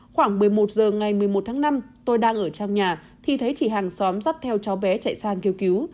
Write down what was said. khoảng một mươi một giờ ngày một mươi một tháng năm tôi đang ở trong nhà thì thấy chị hàng xóm dắt theo cháu bé chạy sang kêu cứu